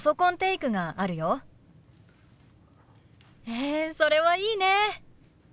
へえそれはいいね。